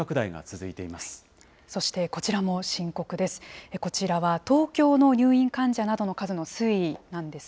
そしてこちらも深刻です。